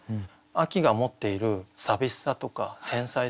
秋が持っている寂しさとか繊細さ。